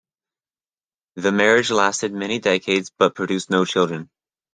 The marriage lasted many decades but produced no children.